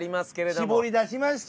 絞り出しました。